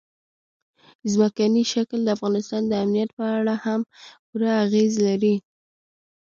ځمکنی شکل د افغانستان د امنیت په اړه هم پوره اغېز لري.